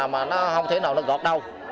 mà nó không thể nào gọt đâu